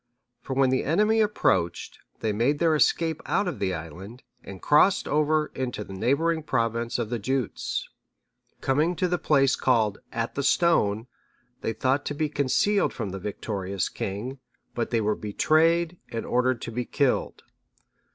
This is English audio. For when the enemy approached, they made their escape out of the island, and crossed over into the neighbouring province of the Jutes.(638) Coming to the place called At the Stone,(639) they thought to be concealed from the victorious king, but they were betrayed and ordered to be killed.